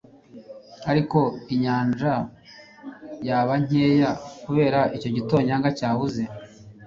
Ariko inyanja yaba nkeya kubera icyo gitonyanga cyabuze. ”